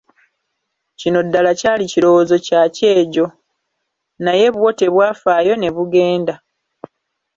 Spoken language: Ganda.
Kino ddala kyali kirowoozo kya kyejo, naye bwo tebwafaayo ne bugenda.